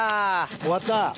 終わった。